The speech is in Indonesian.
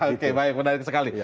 oke baik menarik sekali